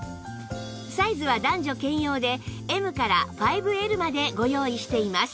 サイズは男女兼用で Ｍ から ５Ｌ までご用意しています